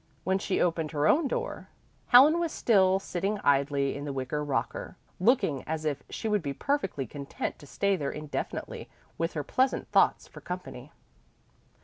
When she opened her own door, Helen was still sitting idly in the wicker rocker, looking as if she would be perfectly content to stay there indefinitely with her pleasant thoughts for company.